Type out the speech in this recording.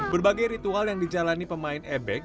berbagai ritual yang dijalani pemain ebek